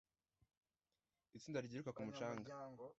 Itsinda ryiruka ku mucanga